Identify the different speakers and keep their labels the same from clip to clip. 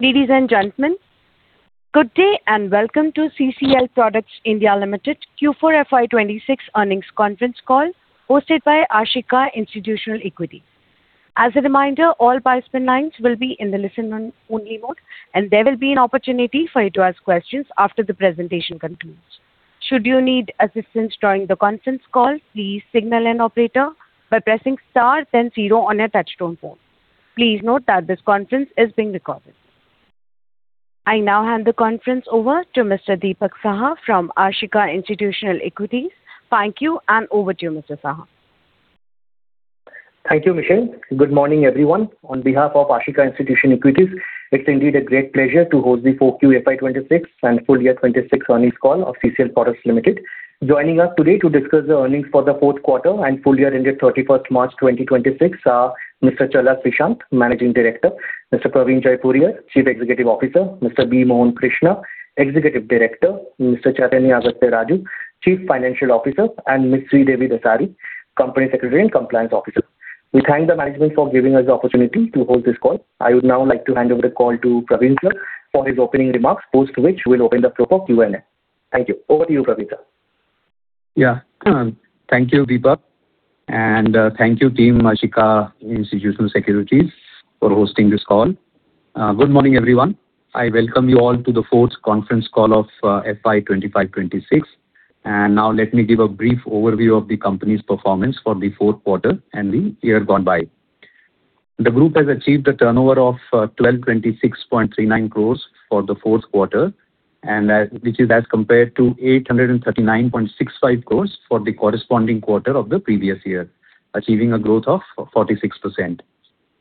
Speaker 1: Ladies and gentlemen, good day, welcome to CCL Products (India) Limited Q4 FY 2026 earnings conference call hosted by Ashika Institutional Equities. As a reminder, all participant lines will be in the listen-only mode, and there will be an opportunity for you to ask questions after the presentation concludes. Should you need assistance during the conference call, please signal an operator by pressing star then 0 on your touchtone phone. Please note that this conference is being recorded. I now hand the conference over to Mr. Dipak Saha from Ashika Institutional Equities. Thank you, over to you, Mr. Saha.
Speaker 2: Thank you, Michelle. Good morning, everyone. On behalf of Ashika Institutional Equities, it's indeed a great pleasure to host the 4Q FY 2026 and full year 2026 earnings call of CCL Products Limited. Joining us today to discuss the earnings for the fourth quarter and full year ended 31st March 2026 are Mr. Srishant Challa, Managing Director, Mr. Praveen Jaipuriar, Chief Executive Officer, Mr. B. Mohan Krishna, Executive Director, Mr. Chaithanya Agasthyaraju, Chief Financial Officer, and Ms. Sridevi Dasari, Company Secretary and Compliance Officer. We thank the management for giving us the opportunity to hold this call. I would now like to hand over the call to Praveen sir for his opening remarks, post which we'll open the floor for Q&A. Thank you. Over to you, Praveen sir.
Speaker 3: Thank you, Dipak, and thank you, Team Ashika Institutional Equities for hosting this call. Good morning, everyone. I welcome you all to the fourth conference call of FY 2025/2026. Now let me give a brief overview of the company's performance for the fourth quarter and the year gone by. The group has achieved a turnover of 1,226.39 crores for the fourth quarter and which is as compared to 839.65 crores for the corresponding quarter of the previous year, achieving a growth of 46%.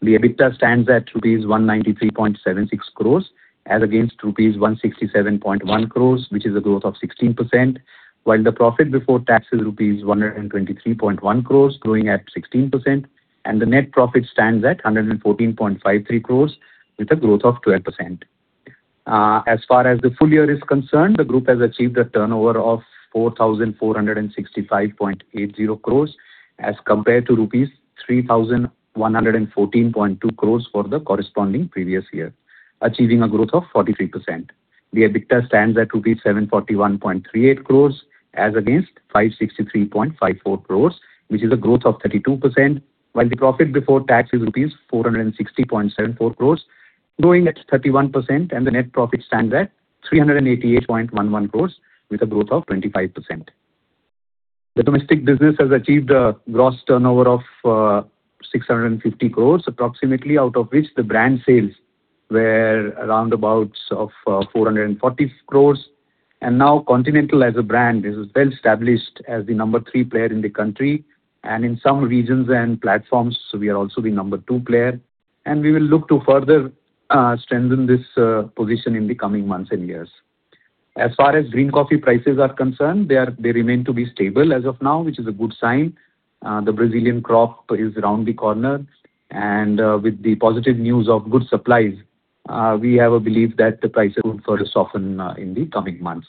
Speaker 3: The EBITDA stands at rupees 193.76 crores as against rupees 167.1 crores, which is a growth of 16%, while the profit before tax is rupees 123.1 crores, growing at 16%, the net profit stands at 114.53 crores with a growth of 12%. As far as the full year is concerned, the group has achieved a turnover of 4,465.80 crores as compared to rupees 3,114.2 crores for the corresponding previous year, achieving a growth of 43%. The EBITDA stands at INR 741.38 crores as against 563.54 crores, which is a growth of 32%, while the profit before tax is INR 460.74 crores, growing at 31%, and the net profit stands at 388.11 crores with a growth of 25%. The domestic business has achieved a gross turnover of 650 crores approximately, out of which the brand sales were around abouts of 440 crores. Now Continental as a brand is well-established as the number three player in the country. In some regions and platforms, we are also the number two player, and we will look to further strengthen this position in the coming months and years. As far as green coffee prices are concerned, they remain to be stable as of now, which is a good sign. The Brazilian crop is around the corner, and with the positive news of good supplies, we have a belief that the prices will further soften in the coming months.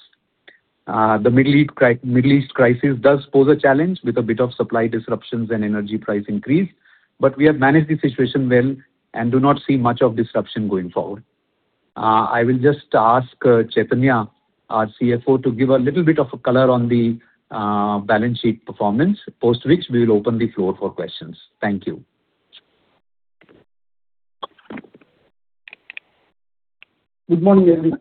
Speaker 3: The Middle East crisis does pose a challenge with a bit of supply disruptions and energy price increase, but we have managed the situation well and do not see much of disruption going forward. I will just ask Chaithanya, our CFO, to give a little bit of a color on the balance sheet performance, post which we will open the floor for questions. Thank you.
Speaker 4: Good morning, everyone.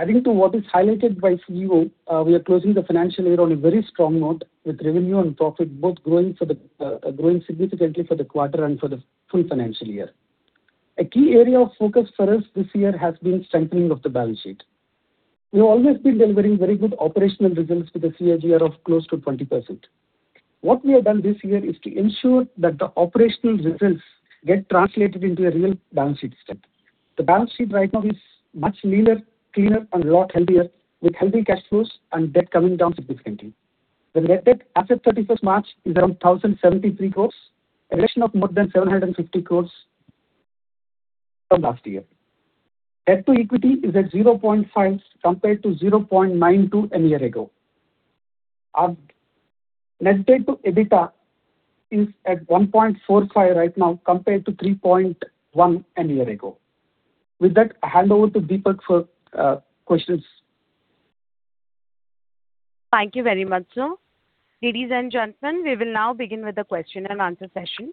Speaker 4: Adding to what is highlighted by CEO, we are closing the financial year on a very strong note with revenue and profit both growing for the growing significantly for the quarter and for the full financial year. A key area of focus for us this year has been strengthening of the balance sheet. We've always been delivering very good operational results with a CAGR of close to 20%. What we have done this year is to ensure that the operational results get translated into a real balance sheet strength. The balance sheet right now is much leaner, cleaner, and a lot healthier, with healthy cash flows and debt coming down significantly. The net debt as of 31st March is around 1,073 crores, a reduction of more than 750 crores from last year. Debt to equity is at 0.5 compared to 0.92 a year ago. Our net debt to EBITDA is at 1.45x right now compared to 3.1x a year ago. With that, I hand over to Dipak for questions.
Speaker 1: Thank you very much, sir. Ladies and gentlemen, we will now begin with the question and answer session.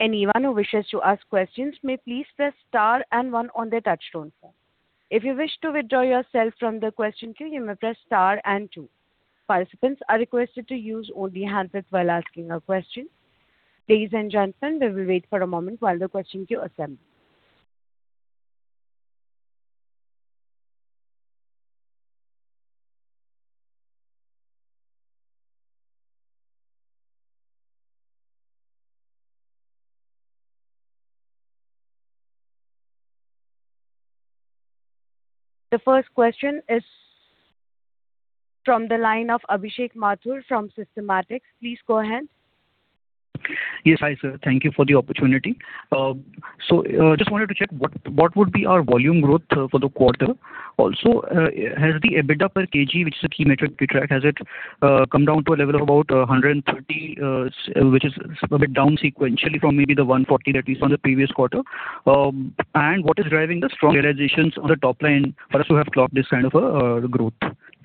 Speaker 1: Anyone who wishes to ask questions may please press star one on their touchtone phone. If you wish to withdraw yourself from the question queue, you may press star two. Participants are requested to use only handset while asking a question. Ladies and gentlemen, we will wait for a moment while the question queue assembles. The first question is from the line of Abhishek Mathur from Systematix. Please go ahead.
Speaker 5: Yes, hi, sir. Thank you for the opportunity. Just wanted to check what would be our volume growth for the quarter. Also, has the EBITDA per kilogram, which is a key metric we track, has it come down to a level of about 130 crore, which is a bit down sequentially from maybe the 140 crore that we saw in the previous quarter? What is driving the strong realizations on the top line for us to have clocked this kind of a growth?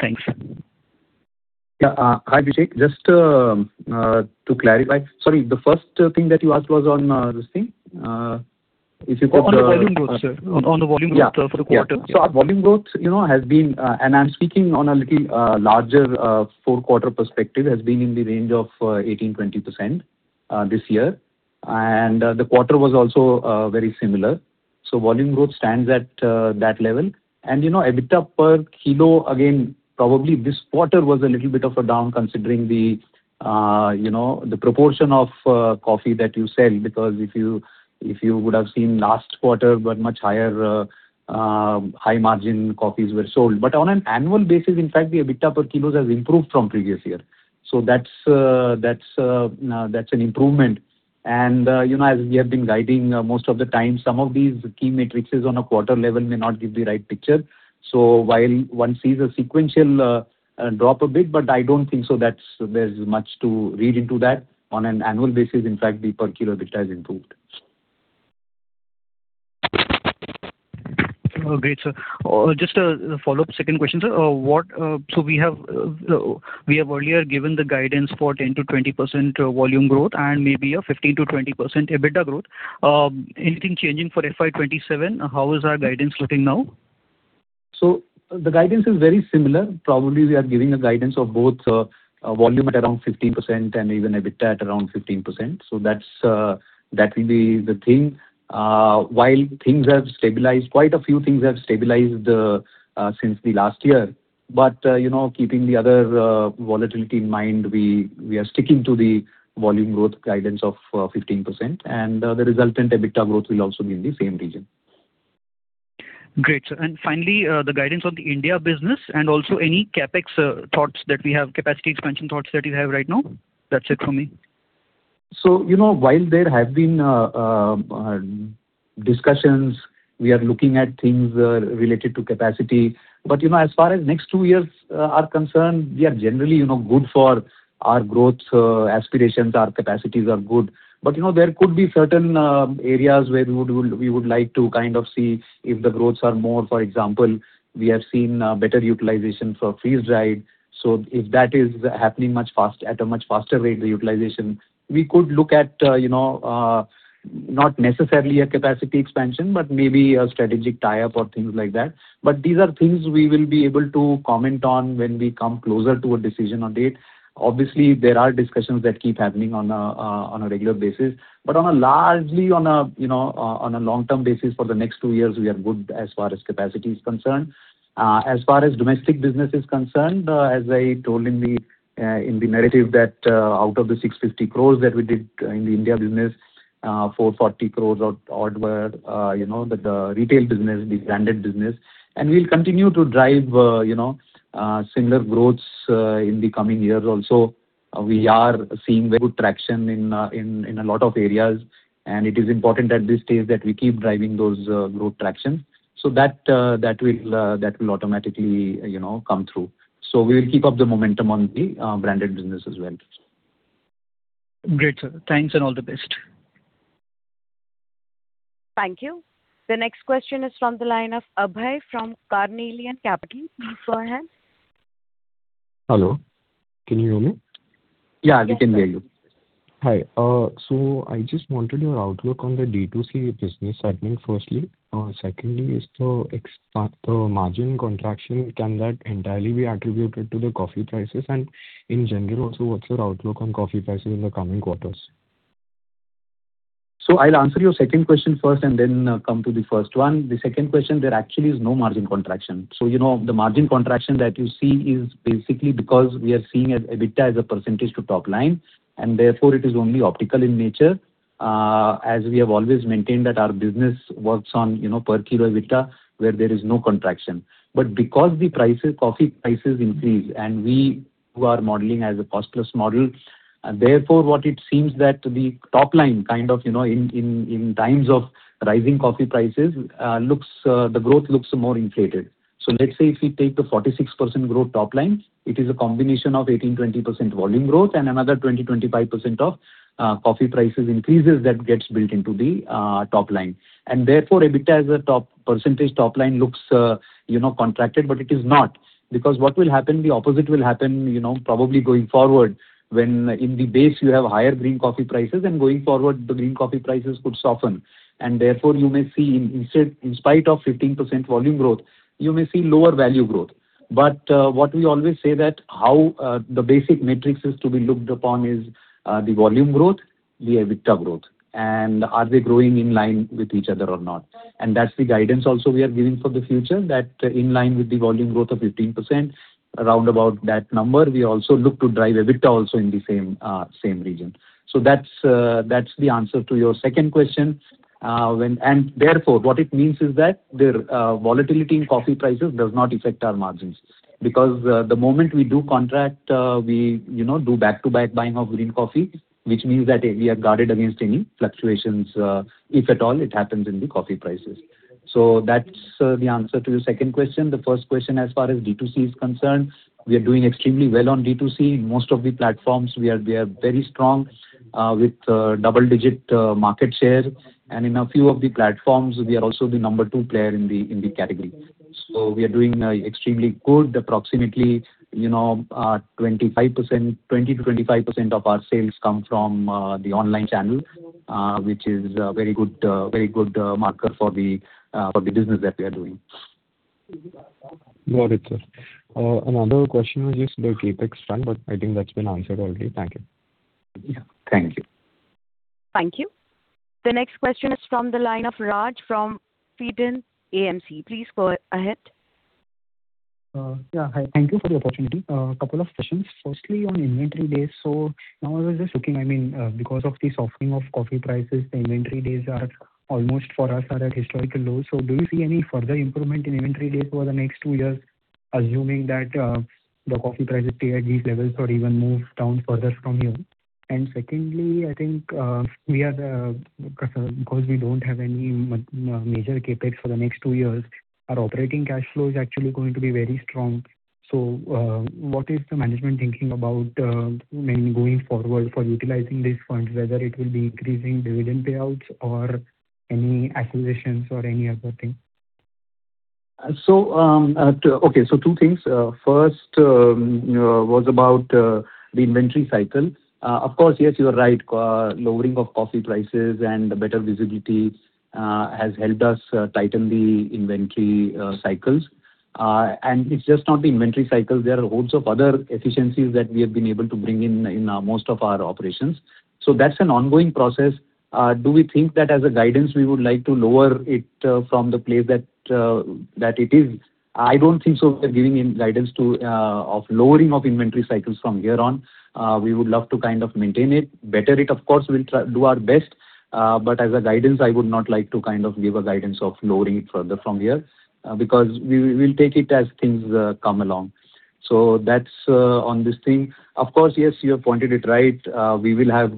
Speaker 5: Thanks.
Speaker 3: Yeah. Hi, Abhishek. Just to clarify. Sorry, the first thing that you asked was on this thing.
Speaker 5: On volume growth, sir. On the volume growth, for the quarter.
Speaker 3: Yeah. Yeah. Our volume growth, you know, has been, and I'm speaking on a little larger four-quarter perspective, has been in the range of 18%-20% this year. The quarter was also very similar. Volume growth stands at that level. You know, EBITDA per kilo, again, probably this quarter was a little bit of a down considering the, you know, the proportion of coffee that you sell, because if you, if you would have seen last quarter were much higher high margin coffees were sold. On an annual basis, in fact, the EBITDA per kilos has improved from previous year. That's an improvement. You know, as we have been guiding most of the time, some of these key metrics on a quarter level may not give the right picture. While one sees a sequential drop a bit, but I don't think so that's there's much to read into that. On an annual basis, in fact, the per kilo EBITDA has improved.
Speaker 5: Oh, great, sir. Just a follow-up second question, sir? We have earlier given the guidance for 10%-20% volume growth and maybe a 15%-20% EBITDA growth. Anything changing for FY 2027? How is our guidance looking now?
Speaker 3: The guidance is very similar. Probably we are giving a guidance of both, volume at around 15% and even EBITDA at around 15%. That's, that will be the thing. While things have stabilized, quite a few things have stabilized, since the last year. You know, keeping the other volatility in mind, we are sticking to the volume growth guidance of 15%, and the resultant EBITDA growth will also be in the same region.
Speaker 5: Great, sir. Finally, the guidance on the India business and also any CapEx thoughts that we have, capacity expansion thoughts that you have right now. That's it from me.
Speaker 3: While there have been discussions, we are looking at things related to capacity. As far as next two years are concerned, we are generally, you know, good for our growth aspirations. Our capacities are good. There could be certain areas where we would like to kind of see if the growths are more. For example, we have seen better utilization for freeze-dried. If that is happening at a much faster rate, the utilization, we could look at, you know, not necessarily a capacity expansion, but maybe a strategic tie-up or things like that. These are things we will be able to comment on when we come closer to a decision on it. Obviously, there are discussions that keep happening on a regular basis. On a largely, on a, you know, on a long-term basis for the next two years, we are good as far as capacity is concerned. As far as domestic business is concerned, as I told in the narrative that, out of the 650 crores that we did in the India business, 440 crores or odd were, you know, the retail business, the branded business. We'll continue to drive, you know, similar growths in the coming years also. We are seeing very good traction in a lot of areas, and it is important at this stage that we keep driving those growth traction. That will automatically, you know, come through. We will keep up the momentum on the branded business as well.
Speaker 5: Great, sir. Thanks. All the best.
Speaker 1: Thank you. The next question is from the line of Abhay from Carnelian Capital. Please go ahead.
Speaker 6: Hello. Can you hear me?
Speaker 3: Yeah, we can hear you.
Speaker 6: Hi. I just wanted your outlook on the D2C business segment, firstly. Secondly, is the margin contraction, can that entirely be attributed to the coffee prices? In general also, what's your outlook on coffee prices in the coming quarters?
Speaker 3: I'll answer your second question first and then come to the first one. The second question, there actually is no margin contraction. You know, the margin contraction that you see is basically because we are seeing EBITDA as a percentage to top line, and therefore it is only optical in nature. As we have always maintained that our business works on, you know, per kilo EBITDA, where there is no contraction. Because the prices, coffee prices increase and we who are modeling as a cost-plus model, therefore, what it seems that the top line kind of, you know, in times of rising coffee prices, looks, the growth looks more inflated. Let's say if we take the 46% growth top line, it is a combination of 18%-20% volume growth and another 20%-25% of coffee prices increases that gets built into the top line. Therefore, EBITDA as a percentage top line looks, you know, contracted, but it is not. What will happen, the opposite will happen, you know, probably going forward, when in the base you have higher green coffee prices, and going forward the green coffee prices could soften. Therefore, you may see instead, in spite of 15% volume growth, you may see lower value growth. What we always say that how the basic metrics is to be looked upon is the volume growth, the EBITDA growth, and are they growing in line with each other or not. That's the guidance also we are giving for the future, that in line with the volume growth of 15%, round about that number, we also look to drive EBITDA also in the same region. That's, that's the answer to your second question. Therefore, what it means is that the volatility in coffee prices does not affect our margins. The moment we do contract, we, you know, do back-to-back buying of green coffee, which means that we are guarded against any fluctuations, if at all it happens in the coffee prices. That's the answer to the second question. The first question, as far as D2C is concerned, we are doing extremely well on D2C. In most of the platforms we are very strong, with double-digit market share. In a few of the platforms we are also the number two player in the category. We are doing extremely good. Approximately, you know, 25%, 20%-25% of our sales come from the online channel, which is a very good, very good marker for the business that we are doing.
Speaker 6: Got it, sir. Another question was just the CapEx fund, but I think that's been answered already. Thank you.
Speaker 3: Yeah. Thank you.
Speaker 1: Thank you. The next question is from the line of Raj from Pheten AMC. Please go ahead.
Speaker 7: Hi. Thank you for the opportunity. A couple of questions. Firstly, on inventory days. Now I was just looking, I mean, because of the softening of coffee prices, the inventory days are almost for us are at historical lows. Do you see any further improvement in inventory days over the next two years, assuming that the coffee prices stay at these levels or even move down further from here? Secondly, I think, because we don't have any major CapEx for the next two years, our operating cash flow is actually going to be very strong. What is the management thinking about maybe going forward for utilizing these funds, whether it will be increasing dividend payouts or any acquisitions or any other thing?
Speaker 3: Okay. Two things. First was about the inventory cycle. Of course, yes, you are right. Lowering of coffee prices and better visibility has helped us tighten the inventory cycles. It's just not the inventory cycles. There are hosts of other efficiencies that we have been able to bring in most of our operations. That's an ongoing process. Do we think that as a guidance we would like to lower it from the place that it is? I don't think so we're giving any guidance to of lowering of inventory cycles from here on. We would love to kind of maintain it, better it, of course, we'll try do our best. As a guidance, I would not like to kind of give a guidance of lowering it further from here, because we'll take it as things come along. That's on this thing. Of course, yes, you have pointed it right. We will have,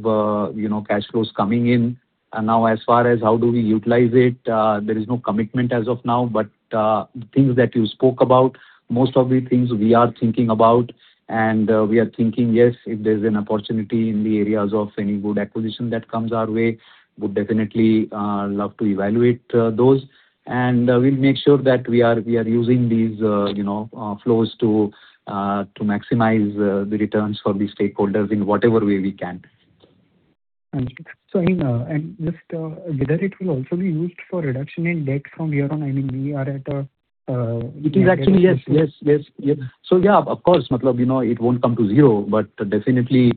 Speaker 3: you know, cash flows coming in. Now as far as how do we utilize it, there is no commitment as of now. The things that you spoke about, most of the things we are thinking about and we are thinking, yes, if there's an opportunity in the areas of any good acquisition that comes our way, we'll definitely love to evaluate those. We'll make sure that we are using these, you know, flows to maximize the returns for the stakeholders in whatever way we can.
Speaker 7: Understood. I mean, just, whether it will also be used for reduction in debt from here on, I mean?
Speaker 3: It is yes. Of course, you know it won't come to zero, but definitely,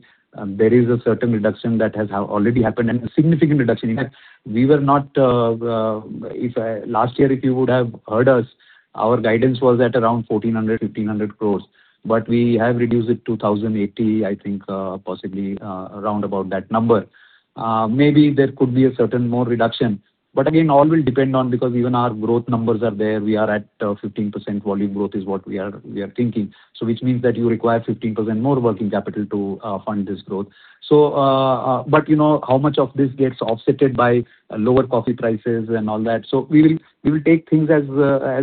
Speaker 3: there is a certain reduction that has already happened, and a significant reduction. In fact, we were not, if last year if you would have heard us, our guidance was at around 1,400 crores-1,500 crores. We have reduced it to 1,080 crore, I think, possibly, around about that number. Maybe there could be a certain more reduction. Again, all will depend on because even our growth numbers are there. We are at 15% volume growth is what we are thinking. Which means that you require 15% more working capital to fund this growth. You know how much of this gets offsetted by lower coffee prices and all that. We will take things as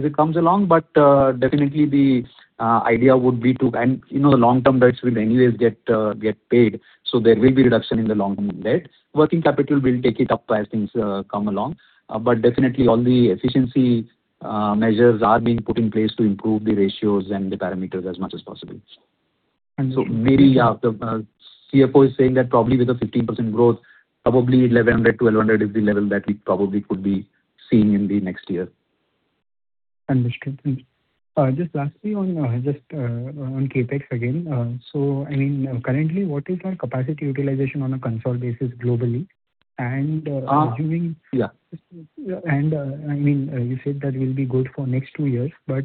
Speaker 3: it comes along. Definitely the idea would be to you know the long-term debts will anyways get paid, so there will be reduction in the long-term debt. Working capital, we'll take it up as things come along. Definitely all the efficiency measures are being put in place to improve the ratios and the parameters as much as possible.
Speaker 7: And so-
Speaker 3: Maybe, yeah, the CFO is saying that probably with a 15% growth, probably 1,100 crore-1,200 crore is the level that we probably could be seeing in the next year.
Speaker 7: Understood. Thank you. Just lastly on, just, on CapEx again. I mean, currently, what is our capacity utilization on a consolidated basis globally?
Speaker 3: Yeah.
Speaker 7: I mean, you said that we'll be good for next two years, but,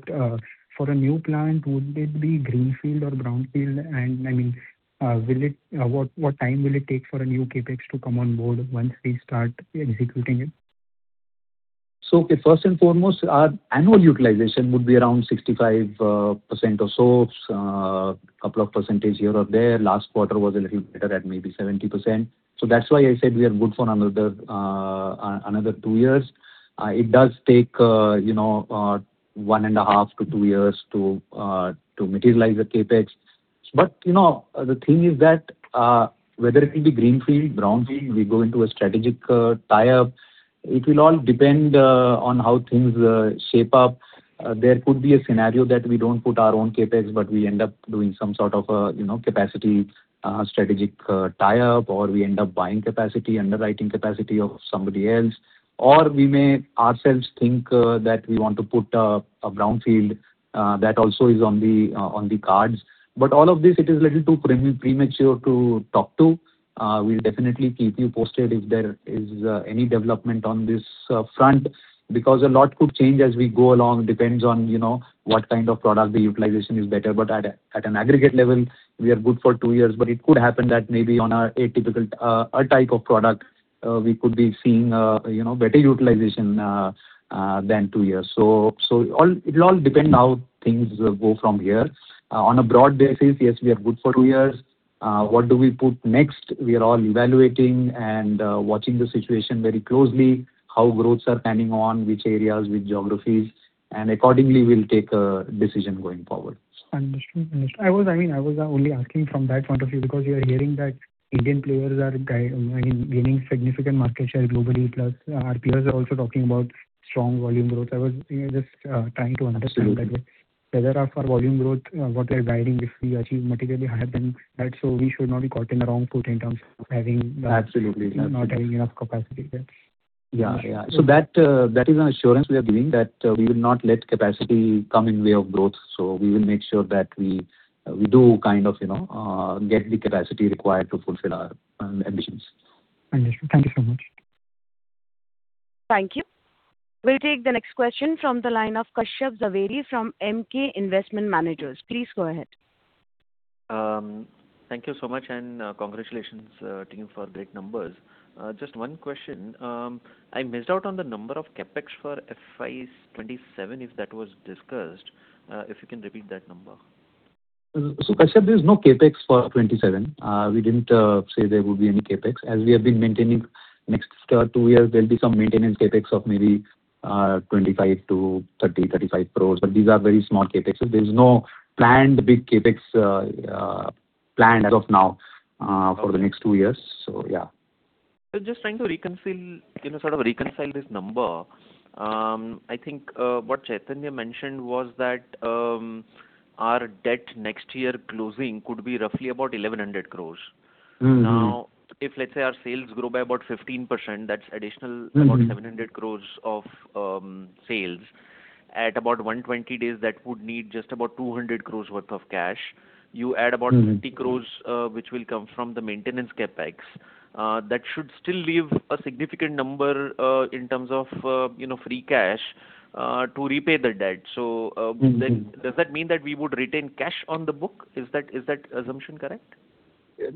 Speaker 7: for a new plant, would it be greenfield or brownfield? I mean, what time will it take for a new CapEx to come on board once we start executing it?
Speaker 3: First and foremost, our annual utilization would be around 65% or so, 2 percentage here or there. Last quarter was a little better at maybe 70%. That's why I said we are good for another two years. It does take, you know, 1.5-2 years to materialize the CapEx. You know, the thing is that, whether it will be greenfield, brownfield, we go into a strategic tie-up, it will all depend on how things shape up. There could be a scenario that we don't put our own CapEx, but we end up doing some sort of a, you know, capacity strategic tie-up, or we end up buying capacity, underwriting capacity of somebody else. We may ourselves think that we want to put a brownfield. That also is on the cards. All of this, it is a little too premature to talk to. We'll definitely keep you posted if there is any development on this front because a lot could change as we go along. Depends on, you know, what kind of product the utilization is better. At an aggregate level, we are good for two years. It could happen that maybe on an atypical type of product, we could be seeing, you know, better utilization than two years. It'll all depend how things go from here. On a broad basis, yes, we are good for two years. What do we put next? We are all evaluating and watching the situation very closely, how growths are panning on which areas, which geographies, and accordingly we'll take a decision going forward.
Speaker 7: Understood. Understood. I was, I mean, only asking from that point of view because we are hearing that Indian players are, I mean, gaining significant market share globally, plus our peers are also talking about strong volume growth. I was, you know, just trying to understand that way.
Speaker 3: Absolutely.
Speaker 7: Whether as for volume growth, what we're guiding, if we achieve materially higher than that, we should not be caught in the wrong foot in terms of.
Speaker 3: Absolutely. Absolutely.
Speaker 7: Not having enough capacity there.
Speaker 3: Yeah. That is an assurance we are giving that we will not let capacity come in way of growth. We will make sure that we do kind of, you know, get the capacity required to fulfill our ambitions.
Speaker 7: Understood. Thank you so much.
Speaker 1: Thank you. We'll take the next question from the line of Kashyap Javeri from Emkay Investment Managers. Please go ahead.
Speaker 8: Thank you so much, and congratulations, team, for great numbers. Just one question. I missed out on the number of CapEx for FY 2027, if that was discussed. If you can repeat that number.
Speaker 3: Kashyap, there's no CapEx for 2027. We didn't say there would be any CapEx. As we have been maintaining next two years there'll be some maintenance CapEx of maybe 25 crores-30 crores, 35 crores, but these are very small CapEx. There's no planned big CapEx planned as of now for the next two years. Yeah.
Speaker 8: Just trying to reconcile, you know, sort of reconcile this number. I think what Chaithanya mentioned was that our debt next year closing could be roughly about 1,100 crores. If let's say our sales grow by about 15%, that's about 700 crores of sales. At about 120 days, that would need just about 200 crores worth of cash. You add about 20 crore, which will come from the maintenance CapEx. That should still leave a significant number, in terms of, you know, free cash, to repay the debt. Does that mean that we would retain cash on the book? Is that assumption correct?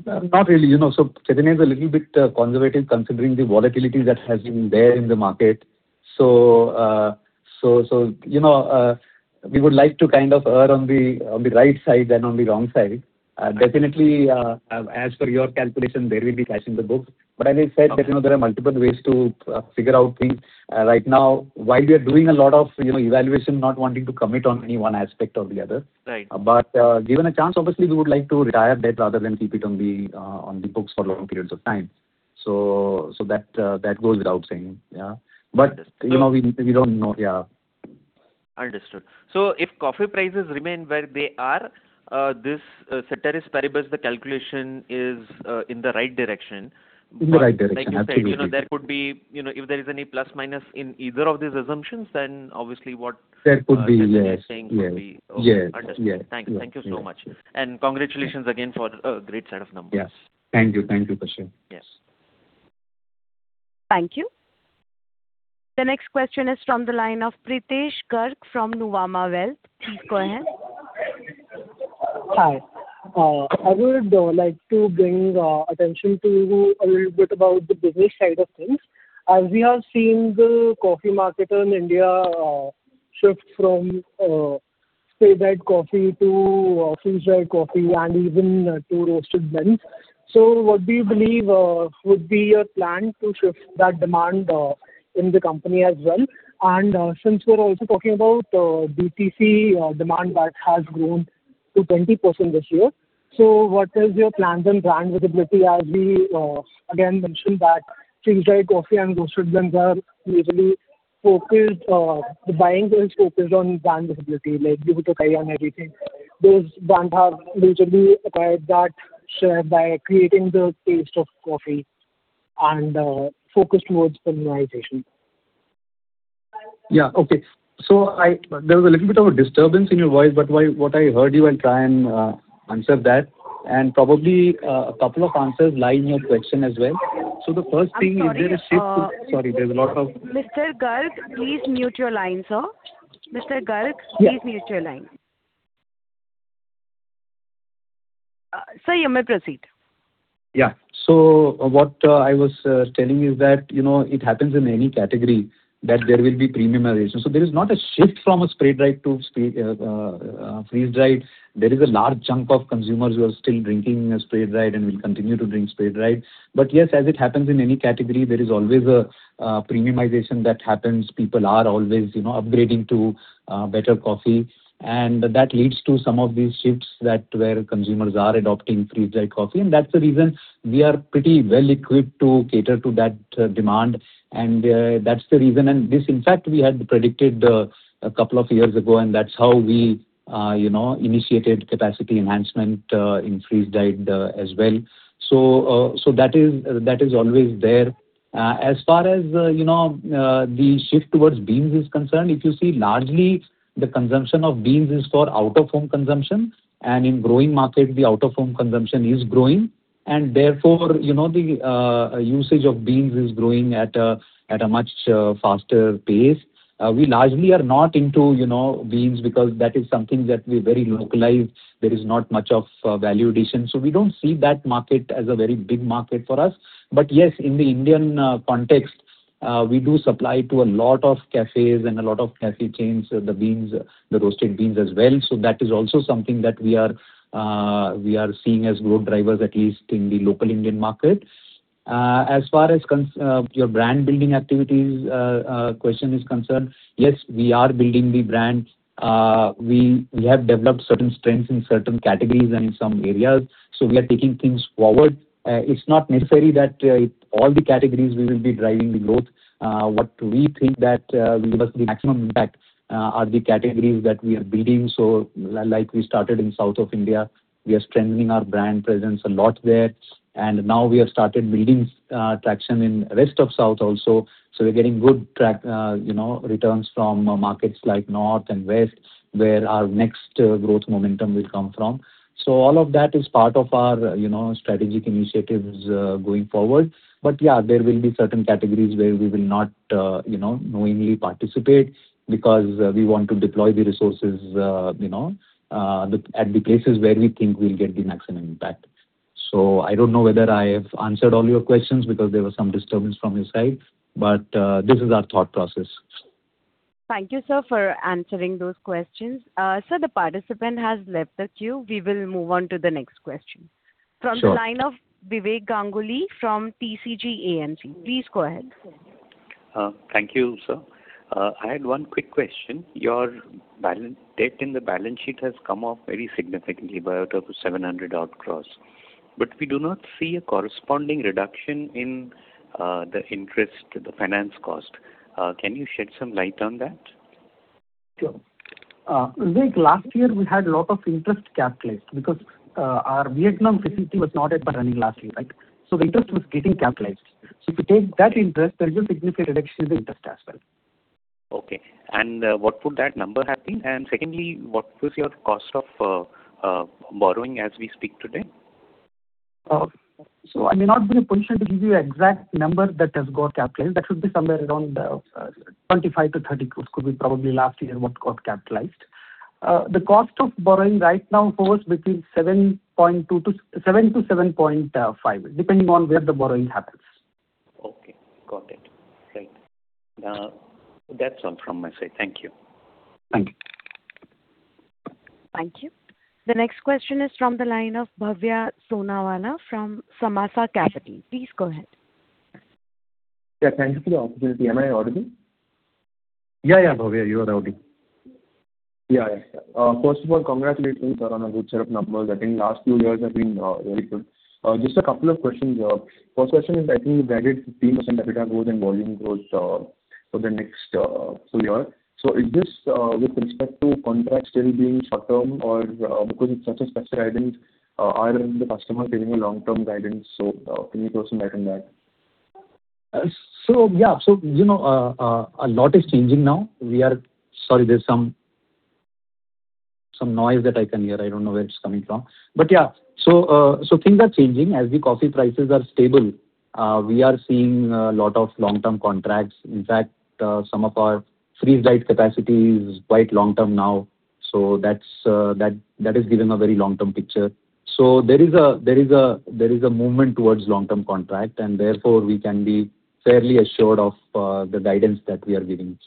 Speaker 3: Not really. You know, Chaithanya is a little bit conservative considering the volatility that has been there in the market. You know, we would like to kind of err on the right side than on the wrong side. Definitely, as per your calculation, there will be cash in the books. As I said-
Speaker 8: Okay.
Speaker 3: You know, there are multiple ways to figure out things. Right now, while we are doing a lot of, you know, evaluation, not wanting to commit on any one aspect or the other.
Speaker 8: Right.
Speaker 3: Given a chance, obviously we would like to retire debt rather than keep it on the, on the books for long periods of time. That goes without saying. Yeah.
Speaker 8: Understood.
Speaker 3: But, we don't know. Yeah.
Speaker 8: Understood. If coffee prices remain where they are, this ceteris paribus, the calculation is in the right direction.
Speaker 3: In the right direction, absolutely.
Speaker 8: Like you said, you know, there could be, you know, if there is any plus/minus in either of these assumptions, then obviously what-
Speaker 3: There could be. Yes.
Speaker 8: Chaithanya is saying could be.
Speaker 3: Yes. Yes. Yes.
Speaker 8: Understood. Thank you so much.
Speaker 3: Yes.
Speaker 8: Congratulations again for a great set of numbers.
Speaker 3: Yes. Thank you. Thank you, Kashyap.
Speaker 8: Yes.
Speaker 1: Thank you. The next question is from the line of Prithish Garg from Nuvama Wealth. Please go ahead.
Speaker 9: Hi. I would like to bring attention to you a little bit about the business side of things. As we have seen the coffee market in India shift from spray-dried coffee to freeze-dried coffee and even to roasted blends. What do you believe would be your plan to shift that demand in the company as well? Since we're also talking about DTC demand that has grown to 20% this year. What is your plan on brand visibility as we again mention that freeze-dried coffee and roasted blends are usually focused, the buying is focused on brand visibility, like Blue Tokai and everything. Does Brand House usually acquire that share by creating the taste of coffee and focus towards premiumization?
Speaker 3: Yeah. Okay. There was a little bit of a disturbance in your voice, what I heard you, I'll try and answer that. Probably a couple of answers lie in your question as well. The first thing.
Speaker 1: I'm sorry.
Speaker 3: Is there a shift? Sorry, there's a lot of-
Speaker 1: Mr. Garg, please mute your line, sir.
Speaker 9: Yeah.
Speaker 1: Mr. Garg. Please mute your line. Sir, you may proceed.
Speaker 3: Yeah. What I was telling you that, you know, it happens in any category that there will be premiumization. There is not a shift from a spray-dried to freeze-dried. There is a large chunk of consumers who are still drinking a spray-dried and will continue to drink spray-dried. Yes, as it happens in any category, there is always a premiumization that happens. People are always, you know, upgrading to better coffee, and that leads to some of these shifts that where consumers are adopting freeze-dried coffee. That's the reason we are pretty well equipped to cater to that demand, and that's the reason. This, in fact, we had predicted a couple of years ago, and that's how we, you know, initiated capacity enhancement in freeze-dried as well. That is, that is always there. As far as, you know, the shift towards beans is concerned, if you see largely the consumption of beans is for out-of-home consumption. In growing market the out-of-home consumption is growing, therefore, you know, the usage of beans is growing at a much faster pace. We largely are not into, you know, beans because that is something that we're very localized. There is not much of value addition. We don't see that market as a very big market for us. Yes, in the Indian context, we do supply to a lot of cafes and a lot of cafe chains, the beans, the roasted beans as well. That is also something that we are seeing as growth drivers, at least in the local Indian market. As far as concerns your brand building activities, question is concerned, yes, we are building the brand. We have developed certain strengths in certain categories and in some areas, we are taking things forward. It's not necessary that all the categories we will be driving the growth. What we think that will give us the maximum impact are the categories that we are building. Like we started in South of India, we are strengthening our brand presence a lot there. Now we have started building traction in rest of South also, so we're getting good you know, returns from markets like North and West, where our next growth momentum will come from. All of that is part of our, you know, strategic initiatives going forward. Yeah, there will be certain categories where we will not, you know, knowingly participate because we want to deploy the resources at the places where we think we'll get the maximum impact. I don't know whether I have answered all your questions because there was some disturbance from your side, but, this is our thought process.
Speaker 1: Thank you, sir, for answering those questions. Sir, the participant has left the queue. We will move on to the next question.
Speaker 3: Sure.
Speaker 1: From the line of Vivek Ganguly from TCG AMC. Please go ahead.
Speaker 10: Thank you, sir. I had one quick question. Your debt in the balance sheet has come off very significantly by out of 700 odd crores. We do not see a corresponding reduction in the finance cost. Can you shed some light on that?
Speaker 4: Sure. Vivek, last year we had a lot of interest capitalized because our Vietnam facility was not yet running last year, right? The interest was getting capitalized. If you take that interest, there is a significant reduction in the interest as well.
Speaker 10: Okay. What would that number have been? Secondly, what was your cost of borrowing as we speak today?
Speaker 4: I may not be in a position to give you exact number that has got capitalized. That should be somewhere around 25 crores-30 crores could be probably last year what got capitalized. The cost of borrowing right now hovers between 7.2%-7.5%, depending on where the borrowing happens.
Speaker 10: Okay. Got it. Great. That's all from my side. Thank you.
Speaker 4: Thank you.
Speaker 1: Thank you. The next question is from the line of Bhavya Sonawala from Samaasa Capital. Please go ahead.
Speaker 11: Yeah, thank you for the opportunity. Am I audible?
Speaker 3: Yeah, yeah, Bhavya, you are audible.
Speaker 11: Yeah, yeah. First of all, congratulations on a good set of numbers. I think last few years have been very good. Just a couple of questions. First question is, I think you guided 15% EBITDA growth and volume growth for the next two years. Is this with respect to contracts still being short-term or because it's such a special item, are the customer giving you long-term guidance? Can you throw some light on that?
Speaker 3: Yeah. You know, a lot is changing now. Sorry, there's some noise that I can hear. I don't know where it's coming from. Yeah. Things are changing. As the coffee prices are stable, we are seeing a lot of long-term contracts. In fact, some of our freeze-dried capacity is quite long-term now. That has given a very long-term picture. There is a movement towards long-term contract, and therefore we can be fairly assured of the guidance that we are giving.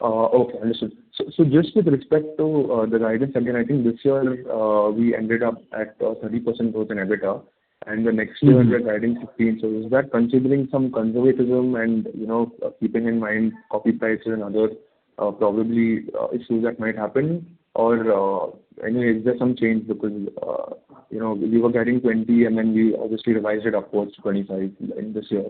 Speaker 11: Okay. Understood. Just with respect to the guidance, again, I think this year, we ended up at 30% growth in EBITDA, and the next year we are guiding 16%. Is that considering some conservatism and, you know, keeping in mind coffee prices and other, probably issues that might happen? Or anyway, is there some change because, you know, we were guiding 20% and then we obviously revised it upwards to 25% in this year.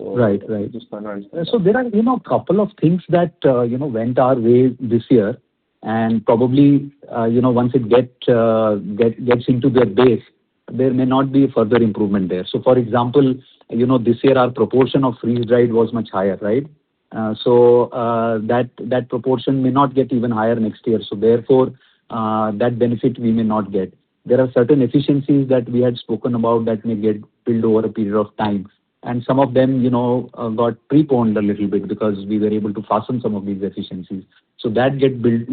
Speaker 3: Right. Right.
Speaker 11: Just wanna understand.
Speaker 3: There are, you know, a couple of things that, you know, went our way this year and probably, you know, once it gets into their base, there may not be further improvement there. For example, you know, this year our proportion of freeze-dried was much higher, right. That proportion may not get even higher next year. Therefore, that benefit we may not get. There are certain efficiencies that we had spoken about that may get built over a period of time. Some of them, you know, got preponed a little bit because we were able to fasten some of these efficiencies. That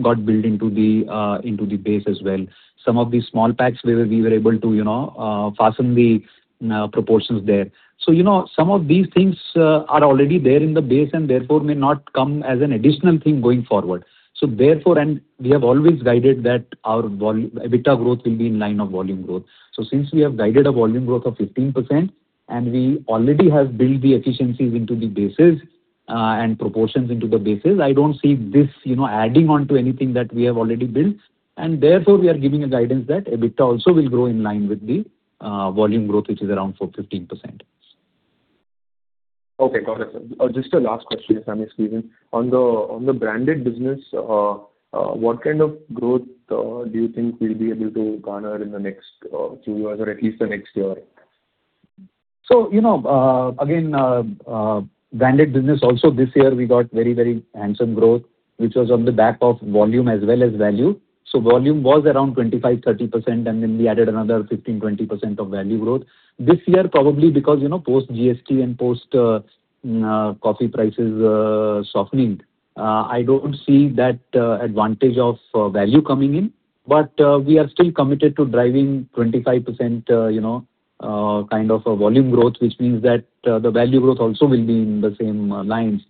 Speaker 3: got built into the base as well. Some of the small packs where we were able to, you know, fasten the proportions there. You know, some of these things are already there in the base and therefore may not come as an additional thing going forward. Therefore, we have always guided that our EBITDA growth will be in line of volume growth. Since we have guided a volume growth of 15%, and we already have built the efficiencies into the bases and proportions into the bases, I don't see this, you know, adding onto anything that we have already built. Therefore, we are giving a guidance that EBITDA also will grow in line with the volume growth, which is around sort of 15%.
Speaker 11: Okay. Got it, sir. Just a last question, if I may, Praveen. On the branded business, what kind of growth do you think we'll be able to garner in the next two years or at least the next year?
Speaker 3: You know, again, branded business also this year we got very, very handsome growth, which was on the back of volume as well as value. Volume was around 25%-30%, and then we added another 15%-20% of value growth. This year, probably because, you know, post GST and post coffee prices softening, I don't see that advantage of value coming in. We are still committed to driving 25%, you know, kind of a volume growth, which means that the value growth also will be in the same lines.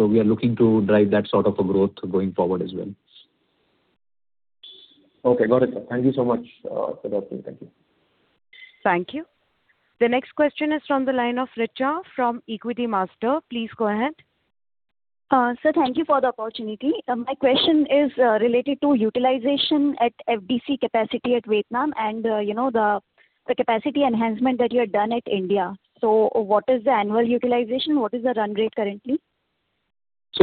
Speaker 3: We are looking to drive that sort of a growth going forward as well.
Speaker 11: Okay, got it, sir. Thank you so much, Mr. Daphne. Thank you.
Speaker 1: Thank you. The next question is from the line of Richa from Equitymaster. Please go ahead.
Speaker 12: Sir, thank you for the opportunity. My question is related to utilization at FDC capacity at Vietnam and, you know, the capacity enhancement that you had done at India. What is the annual utilization? What is the run rate currently?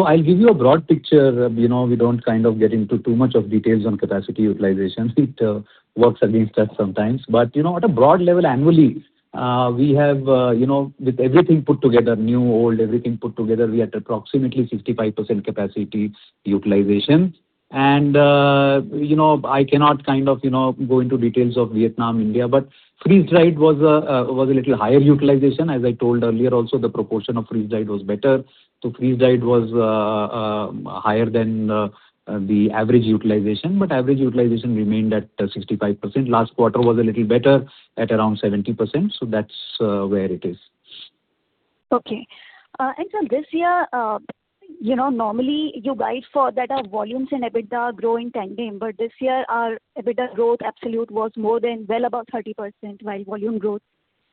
Speaker 3: I'll give you a broad picture. You know, we don't kind of get into too much of details on capacity utilizations. It works against us sometimes. You know, at a broad level annually, we have, you know, with everything put together, new, old, everything put together, we are at approximately 65% capacity utilization. You know, I cannot kind of, you know, go into details of Vietnam, India, but freeze-dried was a little higher utilization. As I told earlier also, the proportion of freeze-dried was better. Freeze-dried was higher than the average utilization, but average utilization remained at 65%. Last quarter was a little better at around 70%, so that's where it is.
Speaker 12: Okay. Sir, this year, you know, normally you guide for that our volumes and EBITDA grow in tandem, but this year our EBITDA growth absolute was more than well above 30%, while volume growth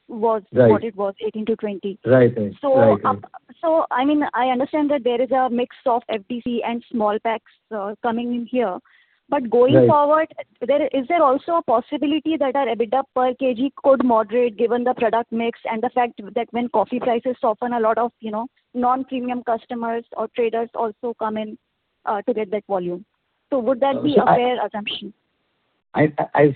Speaker 12: was-
Speaker 3: Right....
Speaker 12: what it was, 18%-20%.
Speaker 3: Right.
Speaker 12: I mean, I understand that there is a mix of FDC and small packs, coming in here.
Speaker 3: Right.
Speaker 12: Going forward, is there also a possibility that our EBITDA per kilogram could moderate given the product mix and the fact that when coffee prices soften, a lot of, you know, non-premium customers or traders also come in to get that volume?
Speaker 3: So I-
Speaker 12: So would that be a fair assumption?
Speaker 3: I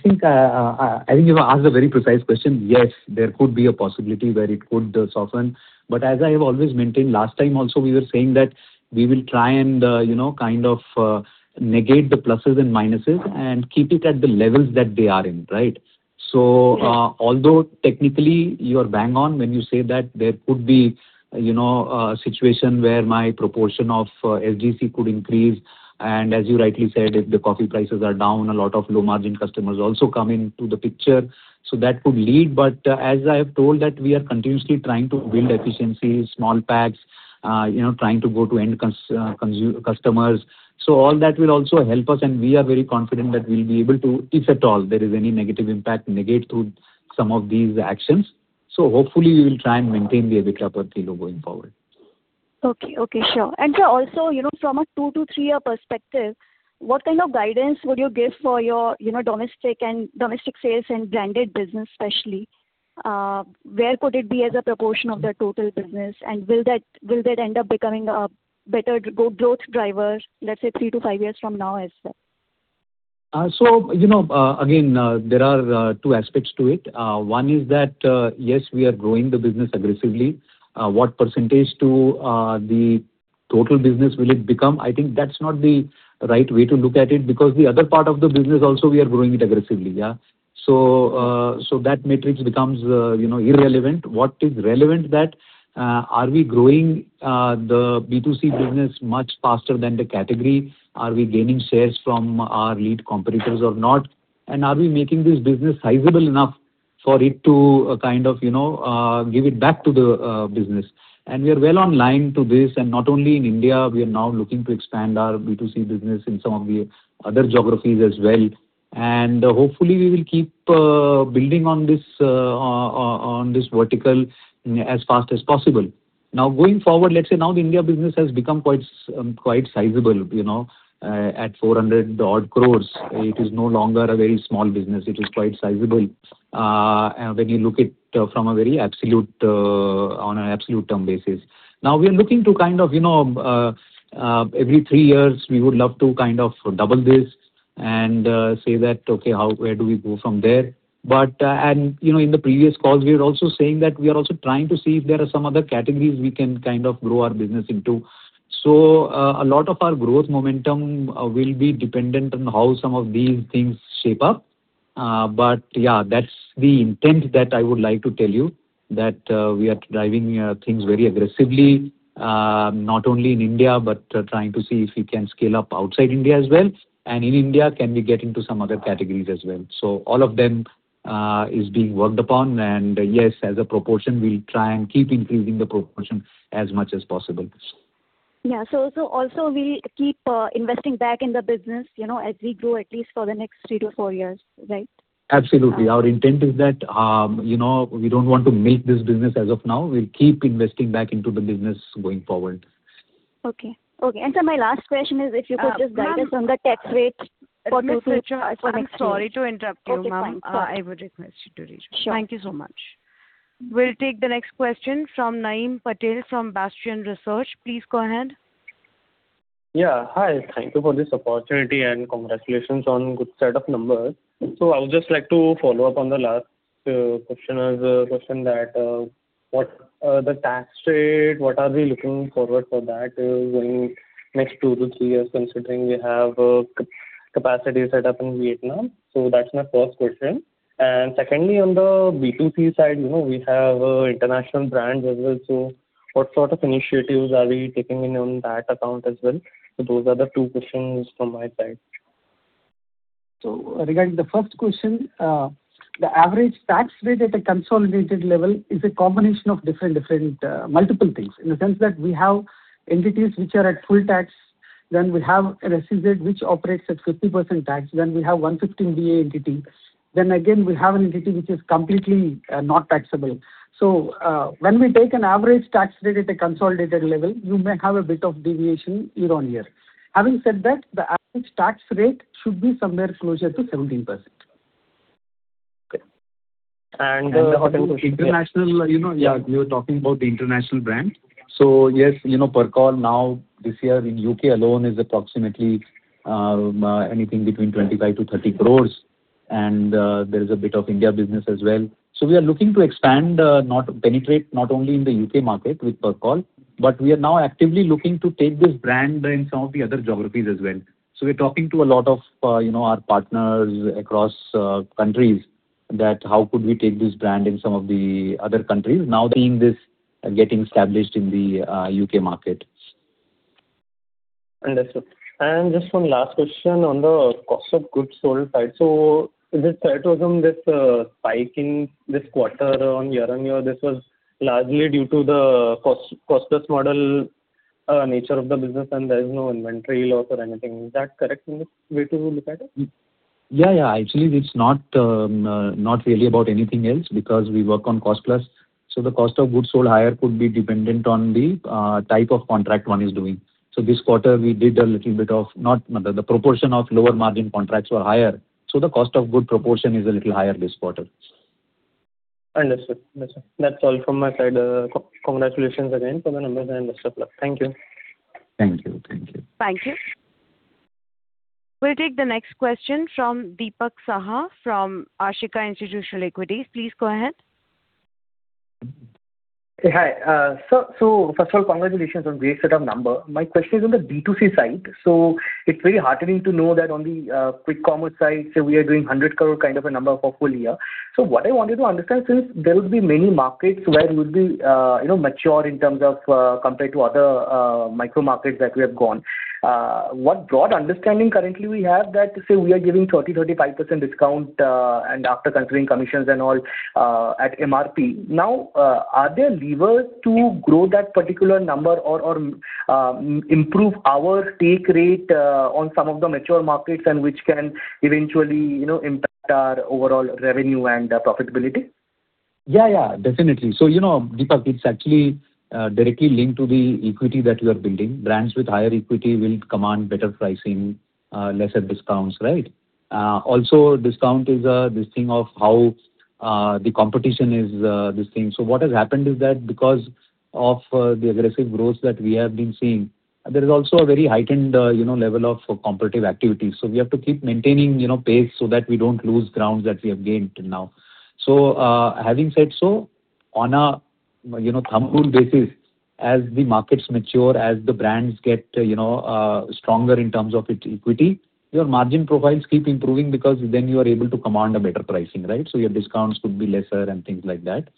Speaker 3: think you've asked a very precise question. Yes, there could be a possibility where it could soften. As I have always maintained, last time also we were saying that we will try and, you know, kind of, negate the pluses and minuses and keep it at the levels that they are in, right?
Speaker 12: Yes.
Speaker 3: Although technically you're bang on when you say that there could be, you know, a situation where my proportion of FDC could increase, and as you rightly said, if the coffee prices are down, a lot of low-margin customers also come into the picture. That could lead. As I have told that we are continuously trying to build efficiencies, small packs, you know, trying to go to end customers. All that will also help us, and we are very confident that we'll be able to, if at all there is any negative impact, negate through some of these actions. Hopefully we will try and maintain the EBITDA per kilo going forward.
Speaker 12: Okay. Okay, sure. Sir, also, you know, from a 2-3-year perspective, what kind of guidance would you give for your, you know, domestic sales and branded business especially? Where could it be as a proportion of the total business? Will that end up becoming a better growth driver, let's say 3-5 years from now as well?
Speaker 3: You know, again, there are two aspects to it. One is that, yes, we are growing the business aggressively. What percentage to the total business will it become? I think that's not the right way to look at it because the other part of the business also we are growing it aggressively. That matrix becomes, you know, irrelevant. What is relevant that, are we growing the B2C business much faster than the category? Are we gaining shares from our lead competitors or not? Are we making this business sizable enough for it to kind of, you know, give it back to the business? We are well online to this, and not only in India, we are now looking to expand our B2C business in some of the other geographies as well. Hopefully we will keep building on this vertical as fast as possible. Going forward, let's say the India business has become quite sizable, you know, at 400 odd crore. It is no longer a very small business. It is quite sizable. When you look at from a very absolute, on an absolute term basis. We are looking to kind of, you know, every three years, we would love to kind of double this and say that, okay, how, where do we go from there? You know, in the previous calls, we were also saying that we are also trying to see if there are some other categories we can kind of grow our business into. A lot of our growth momentum will be dependent on how some of these things shape up. Yeah, that's the intent that I would like to tell you that we are driving things very aggressively, not only in India, but trying to see if we can scale up outside India as well. In India, can we get into some other categories as well? All of them is being worked upon, and yes, as a proportion, we'll try and keep increasing the proportion as much as possible.
Speaker 12: Yeah. Also we keep investing back in the business, you know, as we grow at least for the next 3-4 years, right?
Speaker 3: Absolutely.
Speaker 12: Uh-
Speaker 3: Our intent is that, you know, we don't want to milk this business as of now. We'll keep investing back into the business going forward.
Speaker 12: Okay. Okay. Sir, my last question is if you could just guide us on the tax rate-
Speaker 1: Ma'am.
Speaker 12: -for next year.
Speaker 1: Sorry to interrupt you, ma'am.
Speaker 12: Okay, fine. Sorry.
Speaker 1: I would request you to reach out.
Speaker 12: Sure.
Speaker 1: Thank you so much. We'll take the next question from Naeem Patel from Bastion Research. Please go ahead.
Speaker 13: Hi. Thank you for this opportunity, and congratulations on good set of numbers. I would just like to follow up on the last questioner's question that what the tax rate, what are we looking forward for that in next 2-3 years, considering we have capacity set up in Vietnam? That's my first question. Secondly, on the B2C side, you know, we have international brands as well. What sort of initiatives are we taking in on that account as well? Those are the two questions from my side.
Speaker 4: Regarding the first question, the average tax rate at a consolidated level is a combination of different, multiple things in the sense that we have entities which are at full tax, then we have a resident which operates at 15% tax, then we have a 115BAA entity, then again we have an entity which is completely not taxable. When we take an average tax rate at a consolidated level, you may have a bit of deviation year on year. Having said that, the average tax rate should be somewhere closer to 17%.
Speaker 13: Okay.
Speaker 3: The international, you know, you were talking about the international brand. Yes, you know, Percol now this year in U.K. alone is approximately anything between 25 crores-30 crores and there is a bit of India business as well. We are looking to expand, not penetrate not only in the U.K. market with Percol, but we are now actively looking to take this brand in some of the other geographies as well. We're talking to a lot of, you know, our partners across countries that how could we take this brand in some of the other countries now seeing this getting established in the U.K. market.
Speaker 13: Understood. Just one last question on the cost of goods sold side. This quarter was on this spike in this quarter on year-on-year, this was largely due to the cost-plus model nature of the business and there is no inventory loss or anything. Is that correct way to look at it?
Speaker 3: Yeah, yeah. Actually it's not really about anything else because we work on cost-plus. The cost of goods sold higher could be dependent on the type of contract one is doing. This quarter the proportion of lower margin contracts were higher. The cost of goods proportion is a little higher this quarter.
Speaker 13: Understood. Understood. That's all from my side. Congratulations again for the numbers and best of luck. Thank you.
Speaker 3: Thank you. Thank you.
Speaker 1: Thank you. We'll take the next question from Dipak Saha from Ashika Institutional Equities. Please go ahead.
Speaker 2: Hi. First of all, congratulations on great set of numbers. My question is on the B2C side. It's very heartening to know that on the quick commerce side, say we are doing 100 crore kind of a number for full year. What I wanted to understand, since there will be many markets where we'll be, you know, mature in terms of, compared to other micro markets that we have gone, what broad understanding currently we have that say we are giving 30%-35% discount, and after considering commissions and all, at MRP. Now, are there levers to grow that particular number or improve our take rate on some of the mature markets and which can eventually, you know, impact our overall revenue and profitability?
Speaker 3: Yeah, yeah, definitely. You know, Dipak, it's actually directly linked to the equity that we are building. Brands with higher equity will command better pricing, lesser discounts, right? Also discount is this thing of how the competition is this thing. What has happened is that because of the aggressive growth that we have been seeing, there is also a very heightened, you know, level of competitive activity. We have to keep maintaining, you know, pace so that we don't lose grounds that we have gained till now. Having said so, on a, you know, thumb rule basis, as the markets mature, as the brands get, you know, stronger in terms of its equity, your margin profiles keep improving because then you are able to command a better pricing, right? Your discounts could be lesser and things like that.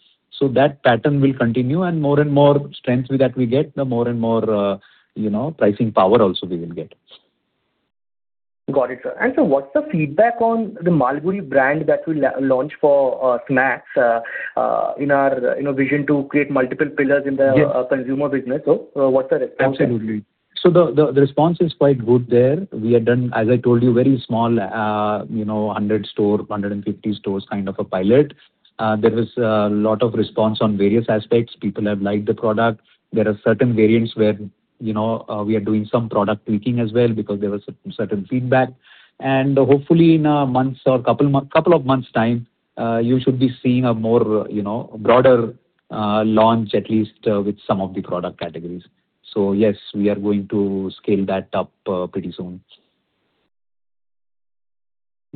Speaker 3: That pattern will continue and more and more strength with that we get, the more and more, you know, pricing power also we will get.
Speaker 2: Got it, sir. What's the feedback on the Malgudi brand that we launched for snacks, in our, you know, vision to create multiple pillars in the-
Speaker 3: Yes....
Speaker 2: consumer business, what's the response there?
Speaker 3: Absolutely. The response is quite good there. We have done, as I told you, very small, you know, 100 store, 150 stores kind of a pilot. There is a lot of response on various aspects. People have liked the product. There are certain variants where, you know, we are doing some product tweaking as well because there was certain feedback. Hopefully in a month's or couple of months' time, you should be seeing a more, you know, broader launch at least with some of the product categories. Yes, we are going to scale that up pretty soon.